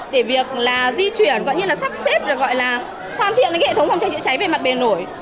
để việc di chuyển gọi như là sắp xếp hoàn thiện hệ thống phòng cháy chữa cháy về mặt bề nổi